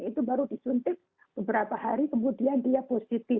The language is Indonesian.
itu baru disuntik beberapa hari kemudian dia positif